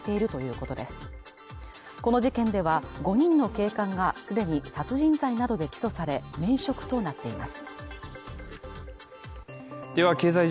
この事件では５人の警官がすでに殺人罪などで起訴され免職となっています